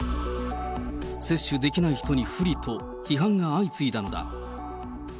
接種できない人に不利と、批判が相次いだのだ。